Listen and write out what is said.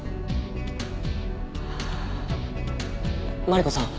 マリコさん